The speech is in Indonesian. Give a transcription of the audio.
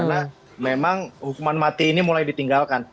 karena memang hukuman mati ini mulai ditinggalkan